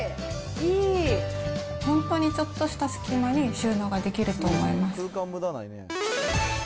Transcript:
本当にちょっとした隙間に収納ができると思います。